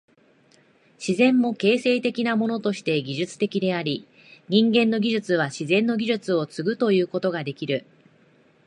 自然も形成的なものとして技術的であり、人間の技術は自然の技術を継ぐということができる。